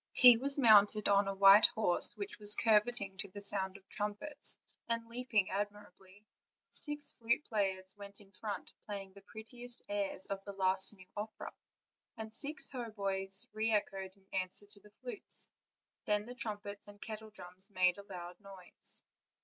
He was mounted on a white horse which was curveting to the sound of trumpets, and leaping admirably; six flute players went in front, play ing the prettiest airs of the last new opera; and six haut boys re echoed in answer to the flutes; then the trumpets and kettledrums made a loud noise.